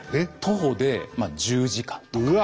徒歩で１０時間とか。